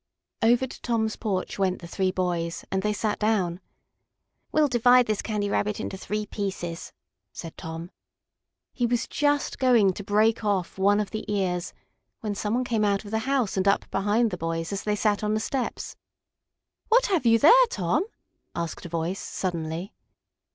Over to Tom's porch went the three boys, and they sat down. "We'll divide this Candy Rabbit into three pieces," said Tom. He was just going to break off one of the ears when some one came out of the house and up behind the boys as they sat on the steps. "What have you there, Tom?" asked a voice suddenly.